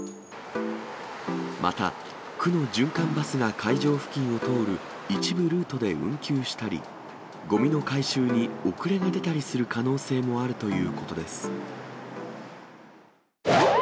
また、区の循環バスが会場付近を通る一部ルートで運休したり、ごみの回収に遅れが出たりする可能性もあるということです。